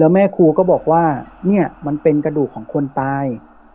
แม่ครูก็บอกว่าเนี่ยมันเป็นกระดูกของคนตาย